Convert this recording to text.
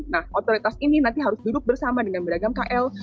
nah otoritas ini nanti harus duduk bersama dengan beragam kl